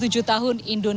terima kasih banyak mbak